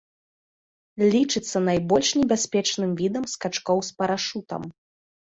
Лічыцца найбольш небяспечным відам скачкоў з парашутам.